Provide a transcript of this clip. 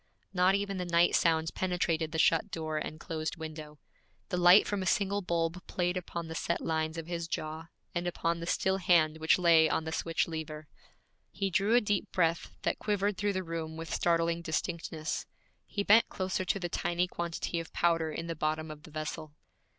Not even the night sounds penetrated the shut door and closed window. The light from a single bulb played upon the set lines of his jaw, and upon the still hand which lay on the switch lever. He drew a deep breath that quivered through the room with startling distinctness. He bent closer to the tiny quantity of powder in the bottom of the vessel.